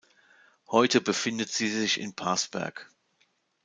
Heute befindet sie sich in Parsberg.